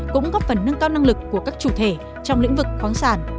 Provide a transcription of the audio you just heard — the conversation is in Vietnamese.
cũng góp phần nâng cao năng lực của các chủ thể trong lĩnh vực khoáng sản